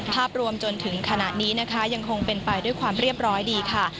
ภาพรวมจนถึงขณะนี้นะคะยังคงเป็นไปด้วยความเรียบร้อยดีค่ะ